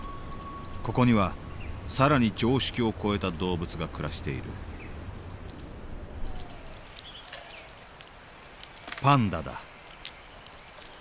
ここには更に常識を超えた動物が暮らしているパンダだ。